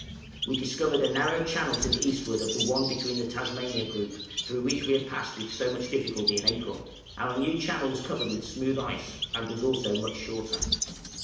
We discovered a narrow channel to the eastward of the one between the Tasmania Group, through which we had passed with so much difficulty in April; our new channel was covered with smooth ice, and was also much shorter.